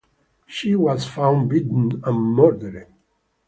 She was found beaten and murdered.